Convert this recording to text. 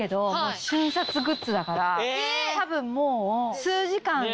多分もう。